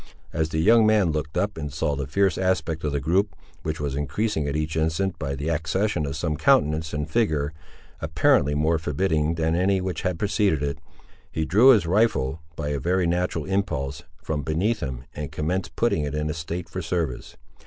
As the young man looked up and saw the fierce aspect of the group, which was increasing at each instant by the accession of some countenance and figure, apparently more forbidding than any which had preceded it, he drew his rifle, by a very natural impulse, from beneath him, and commenced putting it in a state for service.